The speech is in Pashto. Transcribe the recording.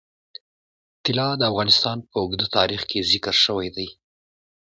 طلا د افغانستان په اوږده تاریخ کې ذکر شوی دی.